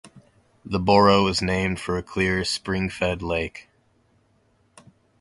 The borough was named for a clear spring-fed lake.